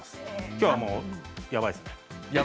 きょうは、もうやばいですね。